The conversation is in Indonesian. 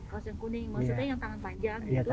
kaos yang kuning maksudnya yang tangan panjang gitu